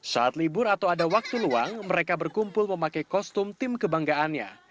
saat libur atau ada waktu luang mereka berkumpul memakai kostum tim kebanggaannya